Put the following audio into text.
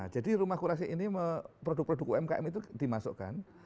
jadi rumah kurasi ini produk produk umkm itu dimasukkan